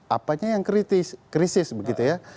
apanya yang kritis krisis begitu ya